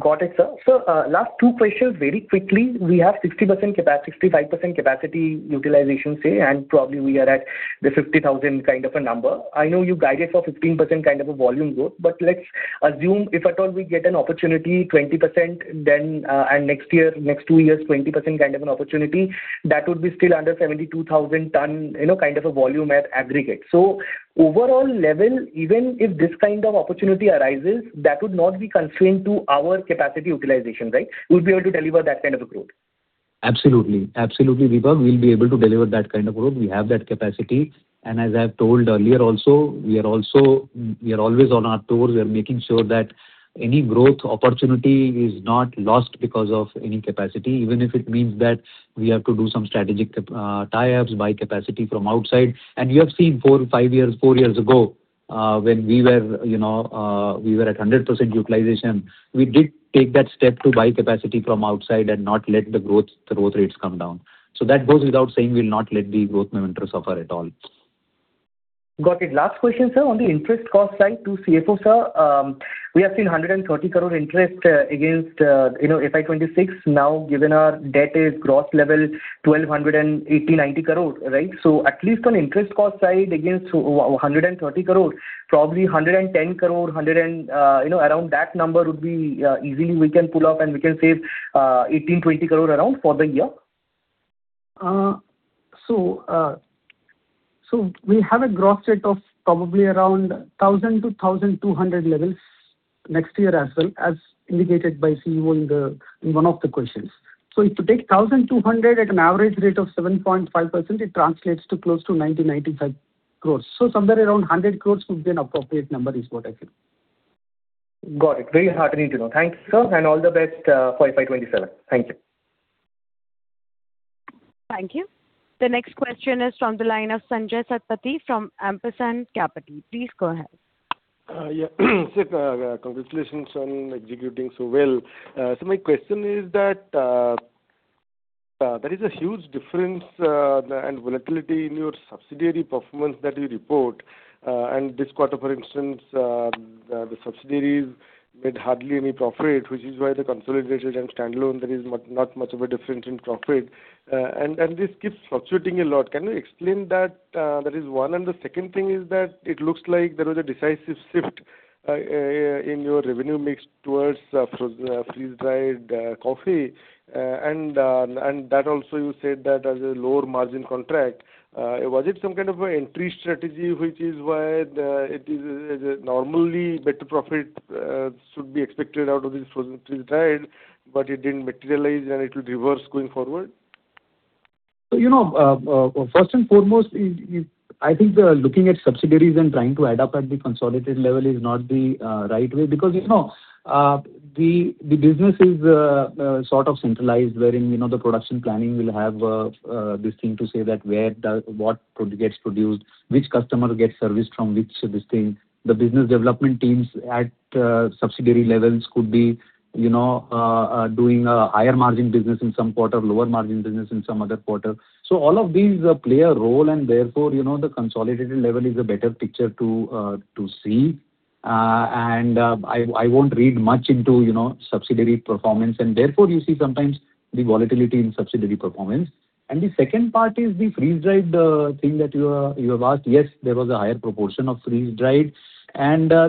Speaker 2: Got it, sir. Sir, last two questions very quickly. We have 60%-65% capacity utilization, say, and probably we are at the 50,000 kind of a number. I know you guided for 15% kind of a volume growth, but let's assume if at all we get an opportunity 20% then, and next year, next two years, 20% kind of an opportunity, that would be still under 72,000 ton, you know, kind of a volume at aggregate. Overall level, even if this kind of opportunity arises, that would not be constrained to our capacity utilization, right? We'll be able to deliver that kind of a growth.
Speaker 3: Absolutely. Absolutely, Dipak. We'll be able to deliver that kind of growth. We have that capacity. As I have told earlier also, we are always on our tours. We are making sure that any growth opportunity is not lost because of any capacity, even if it means that we have to do some strategic tie-ups, buy capacity from outside. You have seen 4-5 years, four years ago, when we were, you know, we were at a 100% utilization, we did take that step to buy capacity from outside and not let the growth rates come down. That goes without saying we'll not let the growth momentum suffer at all.
Speaker 2: Got it. Last question, sir. On the interest cost side to CFO, sir, we have seen 130 crore interest against, you know, FY 2026. Given our debt is gross level 1,280 crore-1,290 crore, right? At least on interest cost side against 130 crore, probably 110 crore, hundred and, you know, around that number would be easily we can pull up and we can save 18 crore-20 crore around for the year.
Speaker 4: We have a growth rate of probably around 1,000 crore-1,200 crore levels next year as well, as indicated by CEO in one of the questions. If you take 1,200 crore at an average rate of 7.5%, it translates to close to 90 crores-95 crores. Somewhere around 100 crores would be an appropriate number is what I feel.
Speaker 2: Got it. Very heartening to know. Thank you, sir. All the best for FY 2027. Thank you.
Speaker 1: Thank you. The next question is from the line of Sanjaya Satapathy from Ampersand Capital. Please go ahead.
Speaker 14: Yeah. Sir, congratulations on executing so well. My question is that there is a huge difference and volatility in your subsidiary performance that you report. This quarter, for instance, the subsidiaries made hardly any profit, which is why the consolidated and standalone there is not much of a difference in profit. This keeps fluctuating a lot. Can you explain that? That is one. The second thing is that it looks like there was a decisive shift in your revenue mix towards freeze-dried coffee. That also you said that has a lower margin contract. Was it some kind of a entry strategy, which is why it is normally better profit should be expected out of this frozen freeze-dried, but it didn't materialize and it will reverse going forward?
Speaker 3: You know, first and foremost, I think looking at subsidiaries and trying to add up at the consolidated level is not the right way. You know, the business is sort of centralized wherein, you know, the production planning will have this thing to say that where the, what gets produced, which customer gets serviced from which this thing. The business development teams at subsidiary levels could be, you know, doing a higher margin business in some quarter, lower margin business in some other quarter. All of these play a role and therefore, you know, the consolidated level is a better picture to see. I won't read much into, you know, subsidiary performance and therefore you see sometimes the volatility in subsidiary performance. The second part is the freeze-dried thing that you have asked. Yes, there was a higher proportion of freeze-dried.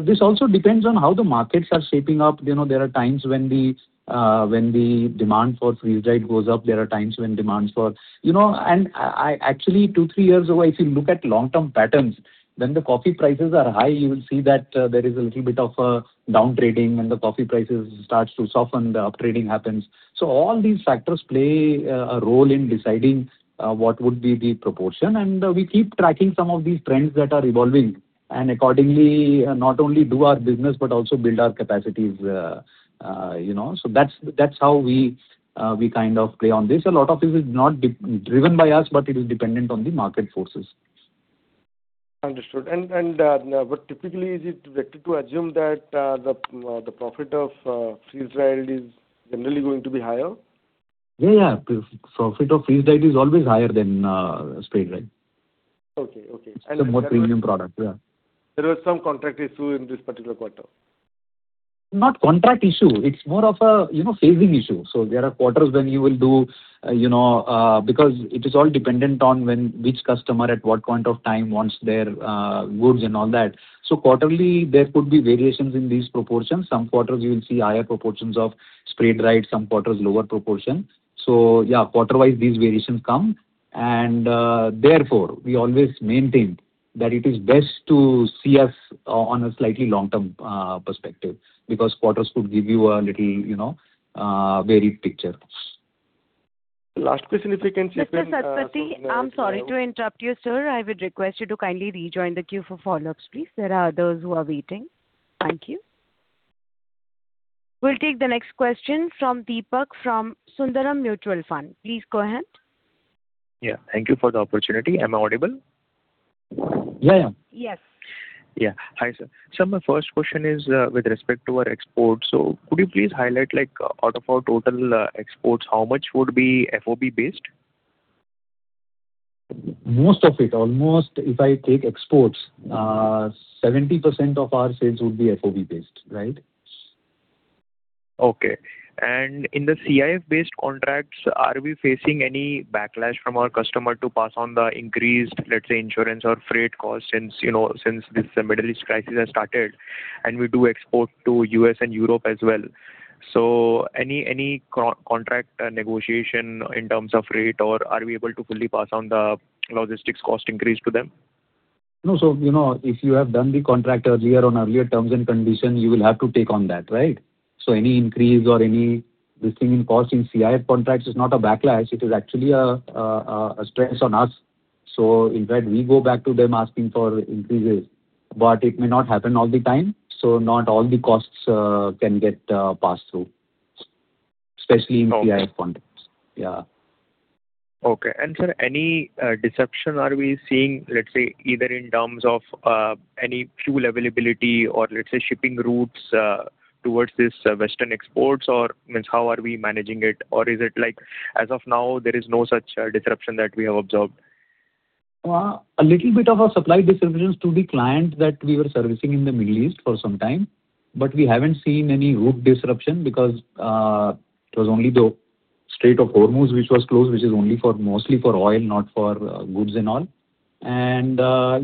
Speaker 3: This also depends on how the markets are shaping up. You know, there are times when the demand for freeze-dried goes up. You know, I actually 2-3 years ago, if you look at long-term patterns, when the coffee prices are high, you will see that there is a little bit of a downtrading. When the coffee prices starts to soften, the up trading happens. All these factors play a role in deciding what would be the proportion. We keep tracking some of these trends that are evolving, and accordingly, not only do our business but also build our capacities, you know. That's how we kind of play on this. A lot of this is not driven by us, but it is dependent on the market forces.
Speaker 14: Understood. And, but typically is it right to assume that the profit of freeze-dried is generally going to be higher?
Speaker 3: Yeah, yeah. Profit of freeze-dried is always higher than spray-dried.
Speaker 14: Okay. Okay.
Speaker 3: It's a more premium product. Yeah.
Speaker 14: There was some contract issue in this particular quarter.
Speaker 3: Not contract issue. It's more of a, you know, phasing issue. There are quarters when you will do, you know, because it is all dependent on when which customer at what point of time wants their goods and all that. Quarterly there could be variations in these proportions. Some quarters you will see higher proportions of spray-dried, some quarters lower proportion. Yeah, quarter-wise these variations come and, therefore we always maintain that it is best to see us on a slightly long-term perspective because quarters could give you a little, you know, varied picture.
Speaker 14: Last question.
Speaker 1: Mr. Satapathy, I'm sorry to interrupt you, sir. I would request you to kindly rejoin the queue for follow-ups, please. There are others who are waiting. Thank you. We'll take the next question from [Deepak] from Sundaram Mutual Fund. Please go ahead.
Speaker 15: Yeah. Thank you for the opportunity. Am I audible?
Speaker 3: Yeah, yeah.
Speaker 1: Yes.
Speaker 15: Yeah. Hi, sir. Sir, my first question is, with respect to our exports. Could you please highlight, like, out of our total exports, how much would be FOB based?
Speaker 3: Most of it. Almost if I take exports, 70% of our sales would be FOB based, right?
Speaker 15: Okay. In the CIF based contracts, are we facing any backlash from our customer to pass on the increased, let's say, insurance or freight costs since since this Middle East crisis has started, and we do export to U.S. and Europe as well? Any contract negotiation in terms of rate or are we able to fully pass on the logistics cost increase to them?
Speaker 3: No. You know, if you have done the contract earlier on earlier terms and conditions, you will have to take on that, right? Any increase or any this thing in cost in CIF contracts is not a backlash, it is actually a stress on us. In fact, we go back to them asking for increases. It may not happen all the time, so not all the costs can get passed through, especially in CIF contracts. Yeah.
Speaker 15: Okay. Sir, any disruption are we seeing, let's say, either in terms of any fuel availability or let's say shipping routes towards this western exports, or how are we managing it? Is it like as of now, there is no such disruption that we have observed?
Speaker 3: A little bit of a supply disruptions to the client that we were servicing in the Middle East for some time, we haven't seen any route disruption because it was only the Strait of Hormuz which was closed, which is only for mostly for oil, not for goods and all.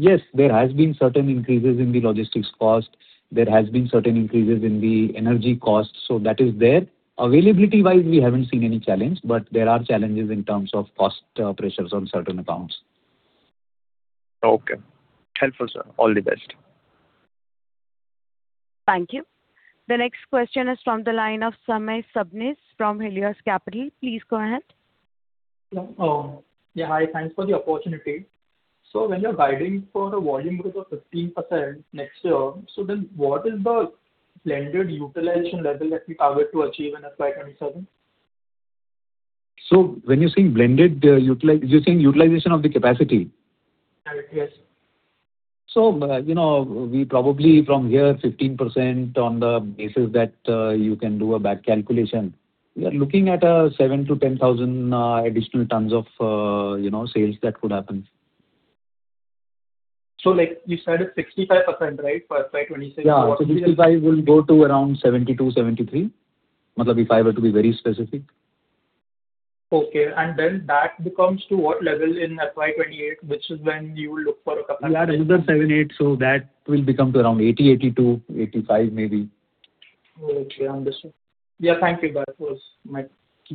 Speaker 3: Yes, there has been certain increases in the logistics cost. There has been certain increases in the energy cost. That is there. Availability-wise, we haven't seen any challenge, but there are challenges in terms of cost pressures on certain accounts.
Speaker 15: Okay. Helpful, sir. All the best.
Speaker 1: Thank you. The next question is from the line of Samay Sabnis from Helios Capital. Please go ahead.
Speaker 16: Yeah. Yeah, hi. Thanks for the opportunity. When you're guiding for the volume growth of 15% next year, what is the blended utilization level that we target to achieve in FY 2027?
Speaker 3: When you're saying blended, are you saying utilization of the capacity?
Speaker 16: Yes.
Speaker 3: You know, we probably from here, 15% on the basis that, you can do a back calculation. We are looking at, 7,000-10,000 additional tons of, you know, sales that could happen.
Speaker 16: like, you said it's 65%, right, for FY 2026.
Speaker 3: Yeah. 65% will go to around 72%, 73%. If I were to be very specific.
Speaker 16: Okay. That becomes to what level in FY 2028, which is when you look for a capacity-
Speaker 3: Yeah, another 7%-8%, that will become to around 80%, 82%, 85% maybe.
Speaker 16: Oh, okay. Understood. Yeah, thank you. That was my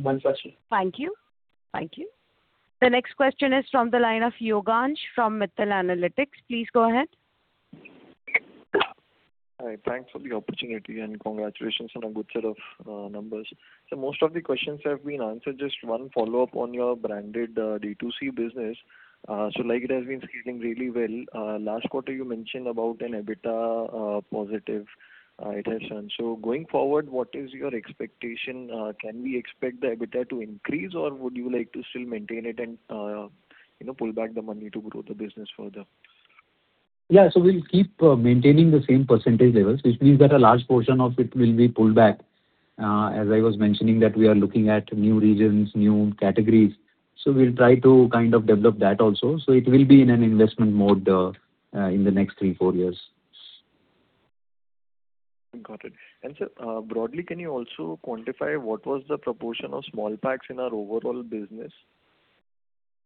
Speaker 16: one question.
Speaker 1: Thank you. Thank you. The next question is from the line of Yogansh from Mittal Analytics. Please go ahead.
Speaker 17: Hi. Thanks for the opportunity, congratulations on a good set of numbers. Most of the questions have been answered. Just one follow-up on your branded D2C business. Like, it has been scaling really well. Last quarter you mentioned about an EBITDA positive, it has turned. Going forward, what is your expectation? Can we expect the EBITDA to increase, or would you like to still maintain it and, you know, pull back the money to grow the business further?
Speaker 3: Yeah. We'll keep maintaining the same percentage levels, which means that a large portion of it will be pulled back. As I was mentioning that we are looking at new regions, new categories. We'll try to kind of develop that also. It will be in an investment mode in the next 3-4 years.
Speaker 17: Got it. Sir, broadly, can you also quantify what was the proportion of small packs in our overall business?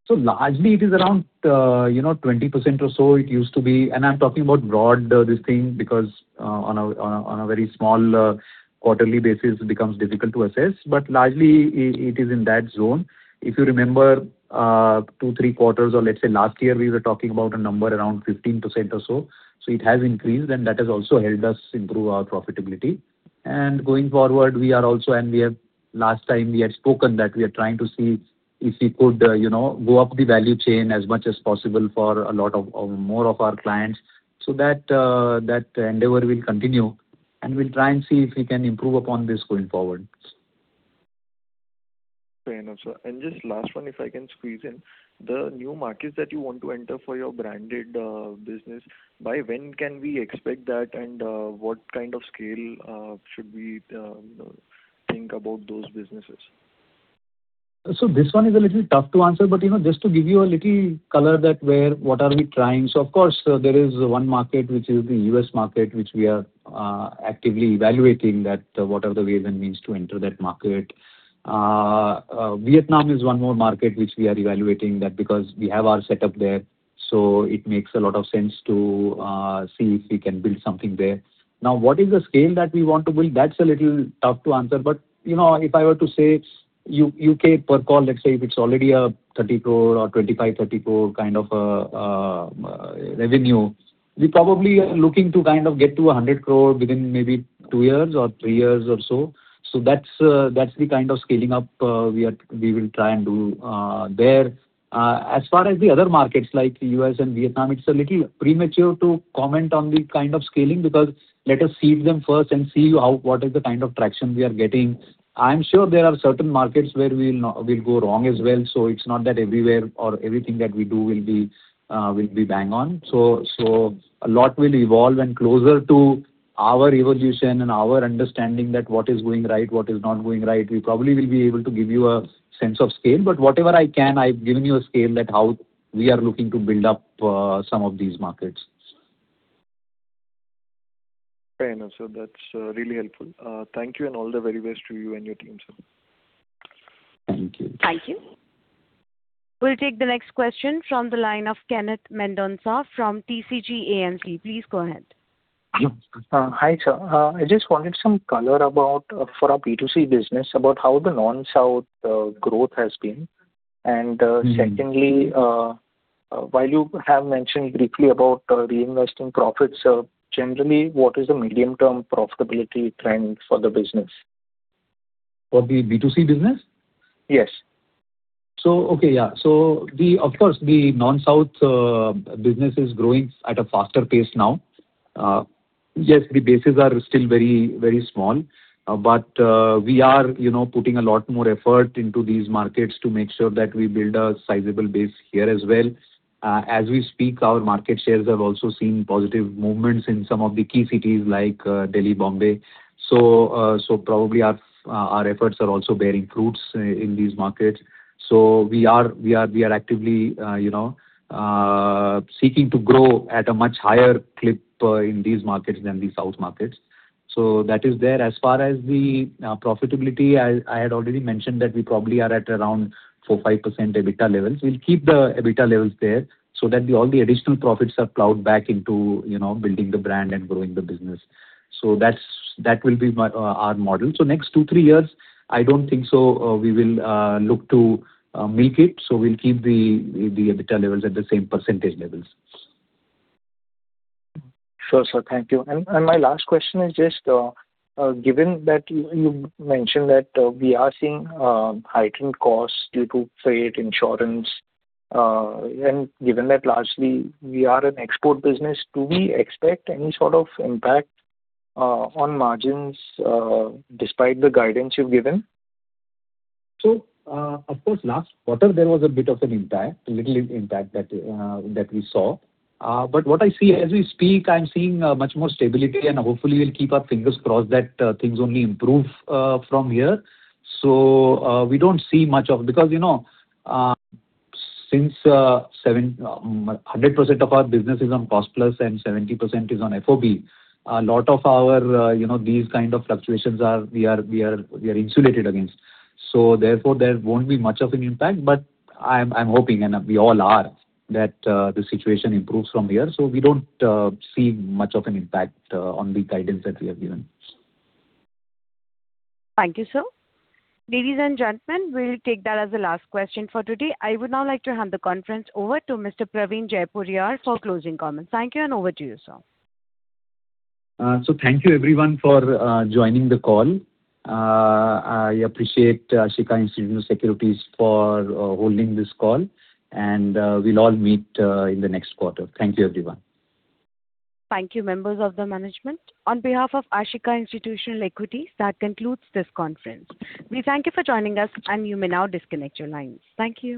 Speaker 3: Largely it is around, you know, 20% or so it used to be. I'm talking about broad, this thing because on a very small quarterly basis it becomes difficult to assess. Largely it is in that zone. If you remember, 2-3 quarters or let's say last year we were talking about a number around 15% or so. It has increased, and that has also helped us improve our profitability. We have last time spoken that we are trying to see if we could, you know, go up the value chain as much as possible for a lot of more of our clients. That endeavor will continue, and we'll try and see if we can improve upon this going forward.
Speaker 17: Fair enough, sir. Just last one, if I can squeeze in. The new markets that you want to enter for your branded business, by when can we expect that, and what kind of scale should we, you know, think about those businesses?
Speaker 3: This one is a little tough to answer, but, you know, just to give you a little color that where what are we trying. Of course, there is one market, which is the U.S. market, which we are actively evaluating that, what are the ways and means to enter that market. Vietnam is one more market which we are evaluating that because we have our setup there, so it makes a lot of sense to see if we can build something there. Now, what is the scale that we want to build? That's a little tough to answer. You know, if I were to say U.K. Percol, let's say if it's already an 30 crore or 25 crore-30 crore kind of revenue, we probably are looking to kind of get to an 100 crore within maybe two years or three years or so. That's the kind of scaling up we will try and do there. As far as the other markets like U.S. and Vietnam, it's a little premature to comment on the kind of scaling because let us see them first and see how what is the kind of traction we are getting. I'm sure there are certain markets where we'll go wrong as well, so it's not that everywhere or everything that we do will be bang on. A lot will evolve and closer to our evolution and our understanding that what is going right, what is not going right, we probably will be able to give you a sense of scale. Whatever I can, I've given you a scale that how we are looking to build up some of these markets.
Speaker 17: Fair enough, sir. That's really helpful. Thank you and all the very best to you and your team, sir.
Speaker 3: Thank you.
Speaker 1: Thank you. We'll take the next question from the line of Kenneth Mendonca from TCG AMC. Please go ahead.
Speaker 18: Hi, sir. I just wanted some color about for our B2C business, about how the non-South growth has been. Secondly, while you have mentioned briefly about reinvesting profits, generally, what is the medium-term profitability trend for the business?
Speaker 3: For the B2C business?
Speaker 18: Yes.
Speaker 3: Okay. Yeah. Of course, the non-South business is growing at a faster pace now. Yes, the bases are still very, very small. But, we are, you know, putting a lot more effort into these markets to make sure that we build a sizable base here as well. As we speak, our market shares have also seen positive movements in some of the key cities like Delhi, Bombay. Probably our efforts are also bearing fruits in these markets. We are actively, you know, seeking to grow at a much higher clip in these markets than the South markets. That is there. As far as the profitability, I had already mentioned that we probably are at around 4%-5% EBITDA levels. We'll keep the EBITDA levels there so that all the additional profits are plowed back into, you know, building the brand and growing the business. That will be my, our model. Next 2-3 years, I don't think so, we will look to milk it. We'll keep the EBITDA levels at the same percentage levels.
Speaker 18: Sure, sir. Thank you. My last question is just given that you mentioned that we are seeing heightened costs due to freight, insurance, and given that largely we are an export business, do we expect any sort of impact on margins despite the guidance you've given?
Speaker 3: Of course, last quarter there was a bit of an impact, a little impact that we saw. What I see as we speak, I'm seeing much more stability, and hopefully we'll keep our fingers crossed that things only improve from here. We don't see much of because, you know, since a 100% of our business is on cost-plus and 70% is on FOB, a lot of our, you know, these kind of fluctuations are, we are insulated against. Therefore, there won't be much of an impact, but I'm hoping, and we all are, that the situation improves from here. We don't see much of an impact on the guidance that we have given.
Speaker 1: Thank you, sir. Ladies and gentlemen, we'll take that as the last question for today. I would now like to hand the conference over to Mr. Praveen Jaipuriar for closing comments. Thank you, and over to you, sir.
Speaker 3: Thank you everyone for joining the call. I appreciate Ashika Institutional Equities for holding this call, and we'll all meet in the next quarter. Thank you, everyone.
Speaker 1: Thank you, members of the management. On behalf of Ashika Institutional Equities, that concludes this conference. We thank you for joining us, and you may now disconnect your lines. Thank you.